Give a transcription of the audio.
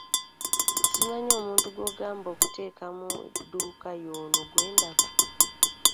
Simanyi omuntu gw'ogamba okuteeka mu dduuka y'ono gwendaba?